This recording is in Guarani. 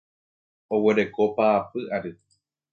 Oguereko paapy ary.